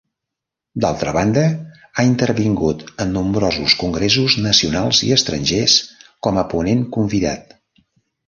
D'altra banda, ha intervingut en nombrosos congressos nacionals i estrangers com a ponent convidat.